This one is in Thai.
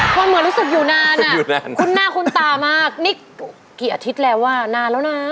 ก็เหมือนรู้สึกอยู่นานอ่ะคุณหน้าคุ้นตามากนี่กี่อาทิตย์แล้วอ่ะนานแล้วนะ